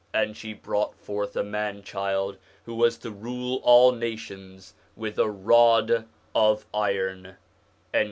And she brought forth a man child, who was to rule all nations with a rod of iron.'